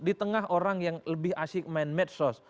di tengah orang yang lebih asik main medsos